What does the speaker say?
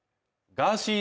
ガーシー